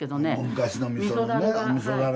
昔のみそ樽ね。